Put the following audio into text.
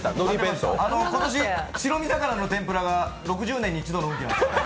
今年、白身魚の天ぷらが６０年に一度の運気なんですね。